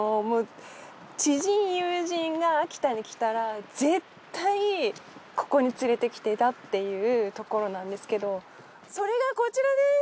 知人友人が秋田に来たら絶対ここに連れてきてたっていうところなんですけどそれがこちらです。